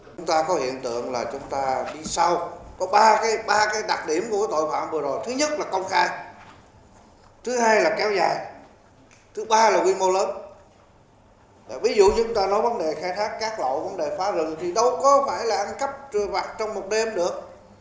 ví dụ như ta nói vấn đề khai thác cát lậu vấn đề phá rừng thì đâu có phải là ăn cắp trừ vạt trong một đêm được